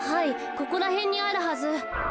ここらへんにあるはず。